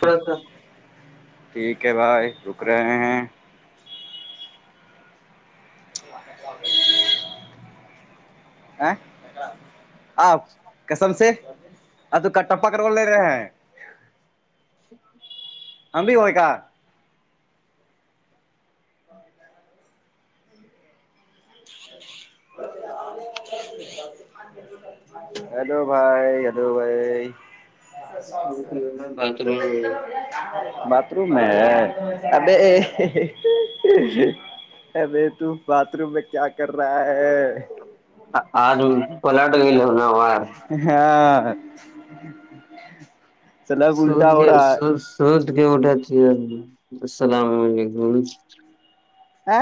پرتا ٹھیک ہے بھائی رک رہے ہیں [inaudible] ا آ ہاں م سے اب تو کاٹپا کرول لے رہے ہیں ہممب وئی کاا ا ہیلو بھائی الو بھائی بات ک میں اب ابھی تو باتھ روم میں کیا کر رہا ہے آج پلٹ گ ل ہو نا وار ہاں سلب سود اللٹا ہو کے رہا ہے سود کے ہوٹ السلام علیکم آ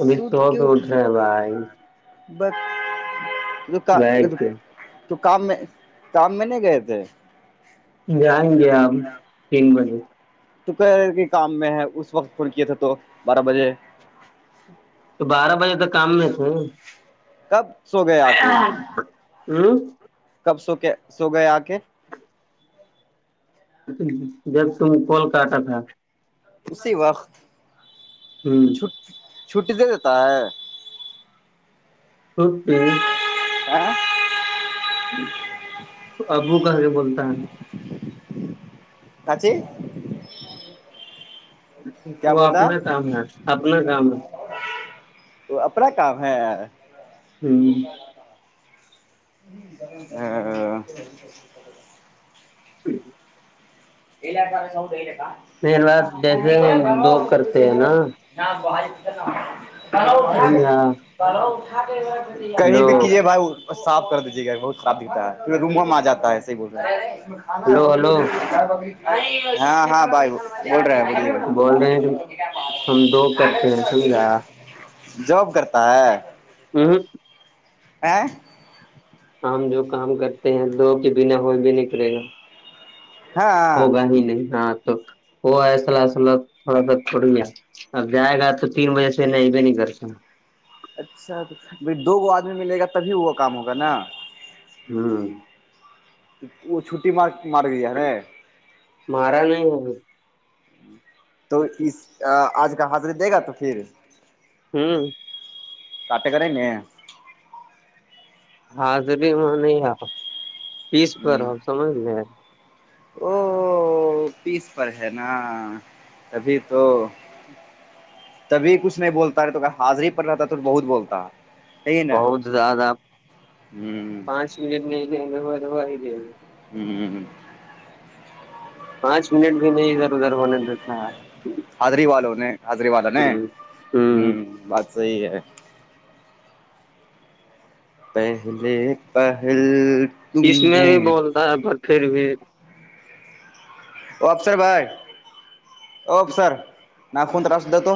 ابھی سود سو پہ کیوں اٹھ رہے ہیں بھائی بس کا بیٹھ کے تو کام میں کام میں نہیں گئے تھے جائیں گے آ ہم تگ بنے توک کے کام میں ہے اس وقت کول کیا تھا تو بارہ بجے تو بارہ بجے تک کام میں تھ کب سو گئے آ کے ہوں کب سو کے سو گئے آ کے اچ جب تم کوال کاٹا تھا اسی وقت تو چھٹی دے دیتا ہے مے [inaudible] ابو کہ سے بولتا ہے اچے کیا وہ بول رہا اپنا کام ہے اپنا کام ہے وہ اپنا کام ہے ہوں ا [inaudible] میری پار بات جیسے ہم دو کرتے ہیں نا جاں باہائی سمجھ کہیں بھی کیجیے بھائی صاف کر دیجیے گا بہت صاف دکھتا ہے کیکہ روم میں آ جاتا ہے صحی بولتا ہے ہلو ہلو ہاں ہاں بھائی بول رہے بولیے بول رہے ہیں کہ ہم دو کرتے ہیں سمجھا جاب کرتا ہے ہوں ہ [inaudible] ہم جو کام کرتے ہیں دو کے بنا ہوئی بھی نہیں کرے گا ہوگا ہی نہیں ہاں تو وہ ایسل ایسلہ تھوڑا بہت پٹ گیا اب جائے گا تو تین بجے سے نہیں نہیں کر سا اچھا تو بائی دو آدمی ملے گا تبھی وہ کام ہوگا نا ہاں وہ چھٹٹی مار مار کے دیا مارا نہیں ابھی تو اس آج کا حاضری دے گا تو پھر ہوں کٹے کر ہے نہیں حاضری میں نہیں آپ پیس پر آپ سمجھ لے او پیس پر ہے نا تبھی تو تبھی کچھ نہیں بولتا توگر حاضری رہتا تو بہت بولتا ہے یہی نہیں بہت زیادہ ہوں نہیں نہیں نہیں ہو ہو ہی نہیں [inaudible] پانچ منٹ بھی نہیں ادھر ادھر ہونے دیتا حضری والوں نے حضری والا نے ہ ہ بات صحیح ہے پہلے پہل تم اس میں نے بھی بولتا ہے پر پھر بھی او افسر بھائی او افسر ناخون رس تو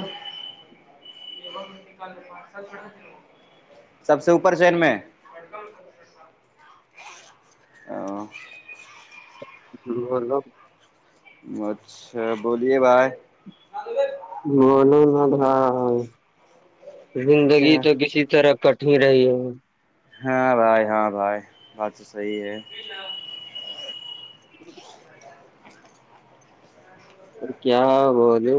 سب سے اوپر شہر میں کک او بلو اچھا بولیے بھائی معلوموم ہ زندگی کیا تو کسی طرف کٹ ہی رہی ہے وہ ہاں بھائی ہاں بھائی بات تو صحیح ہے جی اور کیا بولے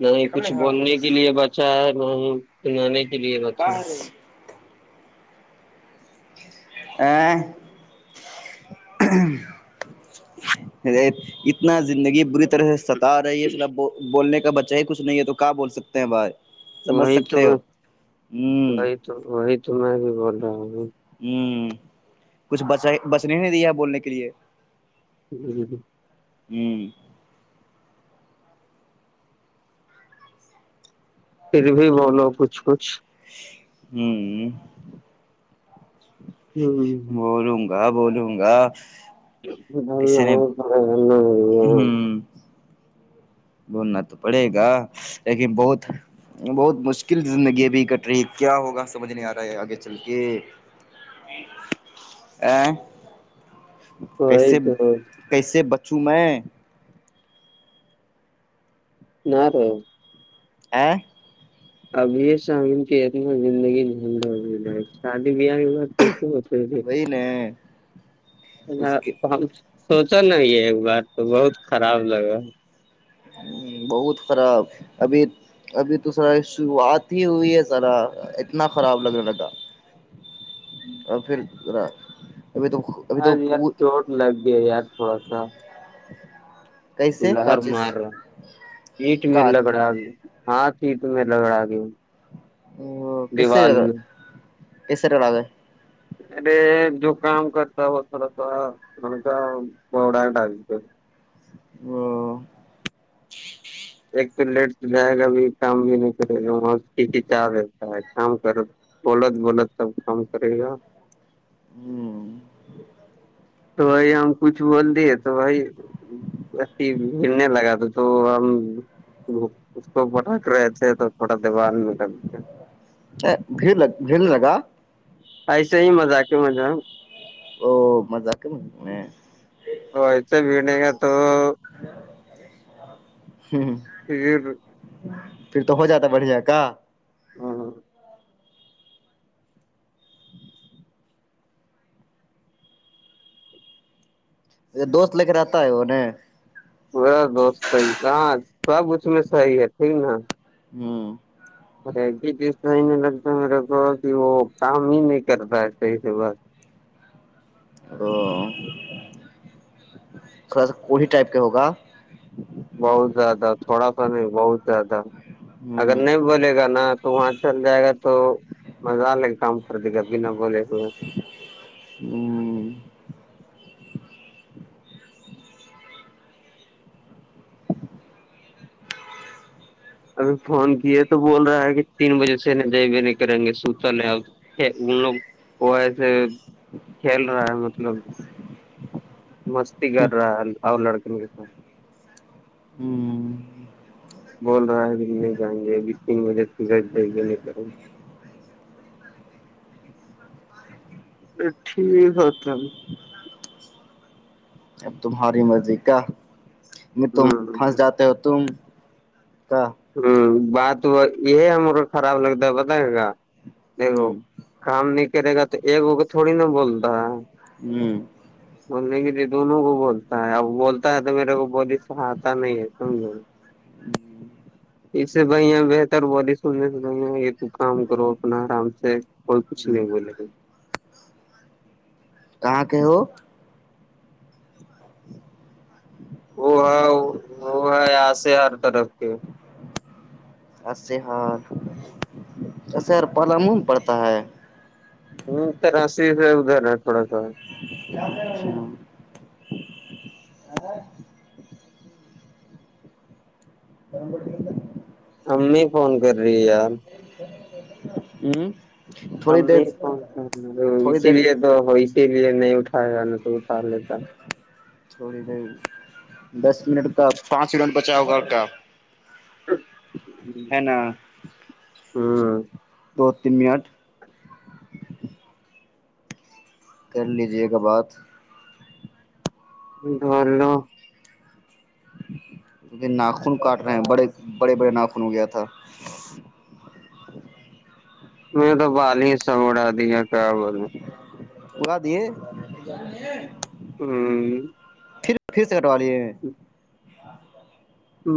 نہ ا ہی کچھ بولنے کے لیے بچا ہے نہ ہی سنانے کے لیے بچسوں آ [inaudible] اتنا زندگی بری طرح سے ستا رہی ہے سلب بولنے کا بچہ ہی کچھ نہیں ہے تو کہ بول سکتے ہیں بھائی سمجھ وہی تو سکتے ہو میں ہوں وہی تو وہی تو میں بھی بول رہا ہوں ہوں کچھ بچنے نہیں دیا ہے بولنے کے لیے جی جی ہوں پھر بھی بولو کچھ کچھ ہوں ہ بولوں گا بولوں گا کسی نے ہ بولنا تو پڑے گا لیکن بہت بہت مشکل زندگی بھیھی کٹ رہی ہے کیا ہوگا سمجھ نہیں آ رہا ہے آگے چل کے ا وہی کیسے تو کیسے بچوں میں نہ رے ا ابھی یہ سا کی اتنا زندگی نند ہو ہے شادی بیا وہی ن اس کے [inaudible] سوچا نا یہ ایک بار تو بہت خراب لگا ہ بہت خراب ابھی ابھی تو سرا شروعات ہی ہوئی ہے سذرا اتنا خراب لگنے لگا اور پھر ذا ابھی تو ابھی آج یار تو چوٹ لگ گیا یار تھوڑا سا کیسے کا چیز سیٹ میں کا لگڑا گیا ہاں سیٹ میں لگڑا گیا ا کسری دیوال میں کسریولگ ارے جو کام کرتا ہو خرا تو کا با ڈال ہو ایک تو لیٹ تو جائے گا اب کام بھی نہیں کرے گا وہاں سے ک کھیچا رہتا ہے کام کرو بولت بولت سب کام کرے گا ہوں تو بھائی ہم کچھ بول دیے تو بھائی ب گڑنے لگا تو تو ہم اس کو بٹا کر رہے تھے تو تھوڑا دیوار میں اڑ ل بھیڑ لگا ایسے ہی مزاق مزہ او مضک وہ ات بھی نہیں گ تو ہوں ج پھر تو ہو جاتا بڑھیا کا ہ ہاں دوست لے کے رہتا ہے وہ ن با دوست ہاں سب کچھ میں صحیح ہے ٹھیک نا ہاں ہی چیز تو نہیں لگتا میرے کو کہ وہ کام ہی نہیں کر رہا ہے صحیح سے بس ا تھوڑا سا کو ٹائپ کا ہوگا بہت زیادہ تھوڑا سا نہیں بہت زیادہ اگر ہ نہیں بولے گا نا تو وہاں چل جائے گا تو مزہ ال لگ کام کر د کےب نہ بول س ہ ابھی فون کیے تو بول رہا ہے کہ تین بجے سے ج نہیں کریں گے سوت ل ا ان لوگ وہ ایسے کھیل رہا ہے مطلب مستی کر رہا ہے اور لڑکن کے س ہوں بول رہا ہے کہ نہیں جئیں گے اب تین بجے سگٹ دیں گے نہیںیں گے ا ٹھیک ہے تب اب تمہاری مرضی کا میں ت ہ پھنس جاتے ہو تم ک ہوں بات یہ ہم م کو خراب لگتا ہے پتا ہے گ دیکھو ہ کام نہیں کرے گا تو ایکگ کو تھوڑی نا بولتا ہ بولنے کے لیے دونوں کو بولتا ہے اب بولتا ہے تو میرے کو ب سہاتتا نہیں ہے سمجھو ہ اسے بھیا بہتر بلی سننے سے بھ یہ تو کام کرو اپنا آرام سے اور کچھ ہ نہیں ب لے کہاں کہ ہو وہ ہے وہ ہے آسے ہر طرف کے ر پ م پڑتا ہے ہ تو ا ہی ادہھرنا ہے تھوڑا سا ج کرچ ہ گرم پ امی فون کر رہی یار ہوں امی کون تھوڑی اسی دیر لیے تو اسی لیے نہیں اٹھایا گ ن تو اٹھا لیتا تھوڑی دی دس منٹ کا پانچ ہی رن بچاؤ گا کا ہے ن دو تین منٹ کر لیجیے گا بات بلو کیکہ ناخن کاٹ رہے ہیں بڑے بڑے بڑے ناخن ہو گیا تھا میں تو پال ہی سب اھا دییا کیا بول بلا دیے ہوں پھر پھر سے کٹوا لیے ہچ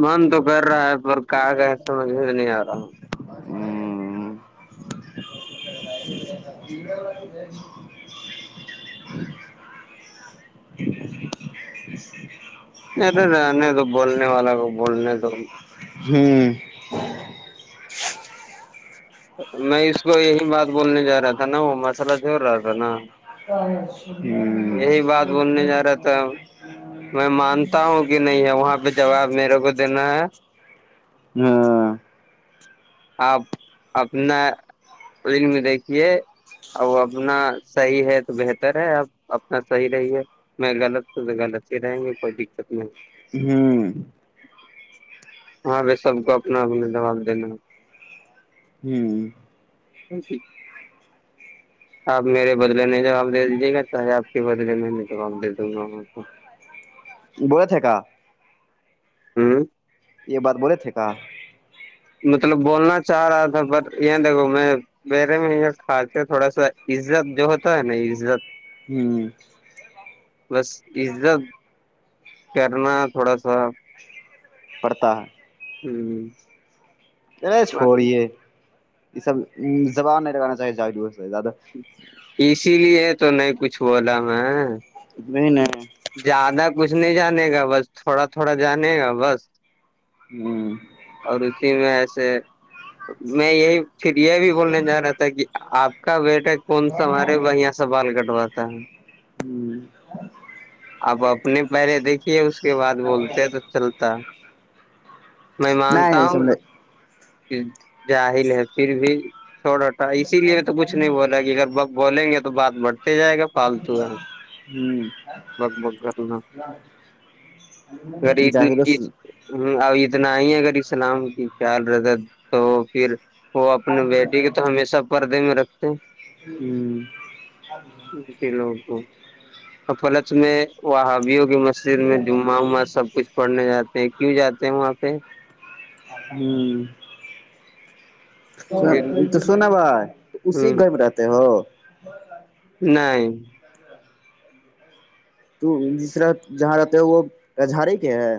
من تو کر رہا ہے پر کہ کہ سمجھ میں نہیں آ رہا ہ ہوں ارے رہنے تو بولنے والا کو بولنے تو ہاں میں اس کو یہی بات بولنے جا رہا تھا نا وہ مسئلہ چھڑ رہا تھا نا ہاں یہی بات بولنے جا رہا تھا ہوں میں مانتا ہوں کہ نہیں [unintelligible] وہاں پہ جواب میرے کو دینا ہے ہاں آپ اپنا فلم دیکھیے اور وہ اپنا صحیح ہے تو بہتر ہے اب اپنا صحیح رہیے میں غلط تو تو غلط ہی رہیں گے کوئی دقت نہیں ہوں وہاں پہ سب کو اپنا اپنا جواب دینا ہوں س آپ میرے بدلے نہیں جواب دے دیجیے گا چاہے آپ کے بدلے میں نہیں جواب دے دوں گا وہاں ب تھا ہوں یہ بات بولے تھے کہ مطلب بولنا چاہ رہا تھا پر یہ دیکھو میں میرے میں یہ خالتے تھوڑا سا عزت جو ہوتا ہے نا عزت ہوں بس عزت کرنا تھوڑا سا پڑتا ہے ہوں ارے چھوڑیے یہ سب زبان نہیں لگانا چاہیے ج سے زیادہ اسی لیے تو نہیں کچھ بولا میں میں ن زیادہ کچھ نہیں جانے گا بس تھوڑا تھوڑا جانے گا بس ہوں اور اسی میں ایسے میں یہی پھر یہ بھی بولنے جا رہا تھا کہ آپ کا بیٹا کون سا ہمارے ہ بڑیا سا بال کٹواتا ہے ہ [unintelligible] اپ اپنے پہرے دیکھیے اس کے بعد بولتے ہیں تو چلتا میں مانتا نہیں ہوں سمجھ جاہل ہے پھر بھی چھوڑ ہوتاا اسی لیے تو کچھ ہوں نہیں بول گ اگر ب بولیں گے تو بات بٹھتے ہی جائے گا فالتو ہوں [unintelligible] [unintelligible] ہ اب اتنا آ ہی ہے اگر اسلام کی خیال ر تو پھر وہ اپنے بیٹی کے تو ہمیشہ پردے میں رکھتے ہیں ہوں لوگ کو فلت میں وہابی ہوگ م سر میں جمعہ وما سب کچھ پڑھنے جاتے ہیں کیوں جاتے ہیں وہاں پہ ہ تو سونا بھائی [unintelligible] اسی گر میں رہتے ہو نہیں تو جسرح جہاں رہتے ہو وہ کجھارے کے ہے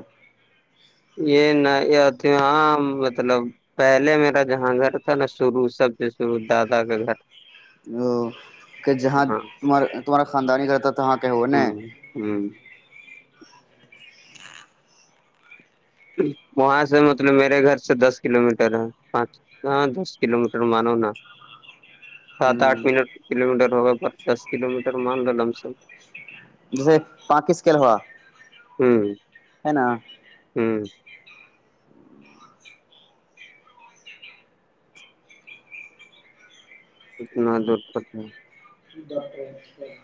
یہ نہتی ہاں مطلب پہلے میرا جہاں گھر تھا نا شروع سب سے شروع دادا کا گھر ا کہ تھا جہاں ہاں تمہارا تمہارا خاندانی کاتا تھااں کہو ن ہوں وہاں سے مطلب میرے گھر سے دس کلو میٹر ہے پانچ ہاں دس کلو میٹر مانو نا سات آٹھ ہ ملٹر کلو میٹر ہوگا دس کلو میٹر مان رہا لمسم جیسے پاناکسکل ہوا ہوں ہے نا ہوں اتنا دور کر ہے ڈاکٹر